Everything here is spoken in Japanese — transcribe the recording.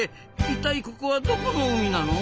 一体ここはどこの海なの？